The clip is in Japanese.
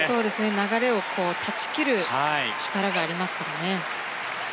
流れを断ち切る力がありますからね。